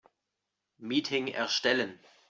Meeting erstellen.